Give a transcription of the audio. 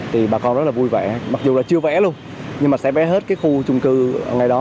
thì bà con rất là vui vẻ mặc dù là chưa vẽ luôn nhưng mà sẽ vẽ hết cái khu chung cư ở ngày đó